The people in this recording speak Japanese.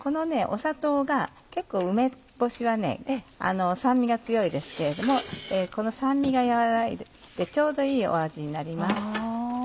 この砂糖が結構梅干しは酸味が強いですけれどもこの酸味が和らいでちょうどいい味になります。